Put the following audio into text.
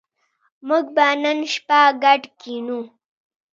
موږ به نن شپه ګډ کېنو